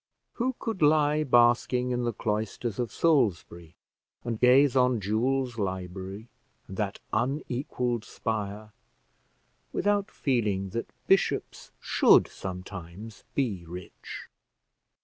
Who could lie basking in the cloisters of Salisbury, and gaze on Jewel's library and that unequalled spire, without feeling that bishops should sometimes be rich!